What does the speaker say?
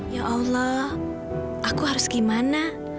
ya allah aku harus gimana